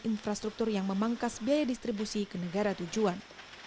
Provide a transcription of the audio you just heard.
infrastruktur yang memangkas biaya distribusi ke negara tujuan